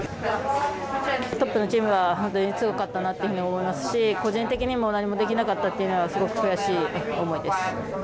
トップのチームは本当に強かったなと思いますし個人的にも何もできなかったのはすごく悔しい思いです。